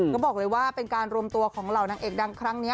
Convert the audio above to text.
ก็บอกเลยว่าเป็นการรวมตัวของเหล่านางเอกดังครั้งนี้